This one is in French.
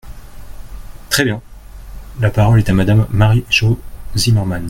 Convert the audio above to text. Très bien ! La parole est à Madame Marie-Jo Zimmermann.